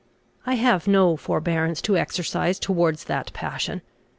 I have no forbearance to exercise towards that passion.